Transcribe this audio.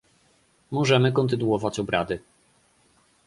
Możemy kontynuować obrady